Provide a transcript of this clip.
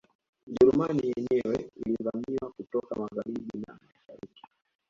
Ujerumani yenyewe ilivamiwa kutoka Magharibi na mashariki